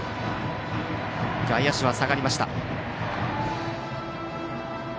外野手は下がりました。